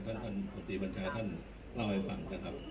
ท่านท่านตีบัญชาท่านเล่าให้ฟังนะครับ